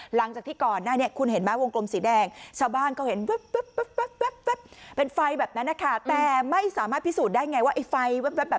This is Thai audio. หลังจากที่ก่อนคุณเห็นไหมวงกลมสีแดงโบ้งเป็นไฟแบบน้ำแต่ไม่สามารถพิสูจน์ได้ไง